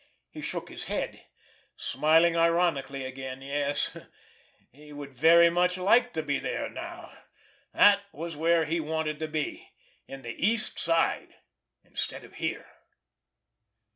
He shook his head, smiling ironically again. Yes, he would very much like to be there now! That was where he wanted to be—in the East Side, instead of here!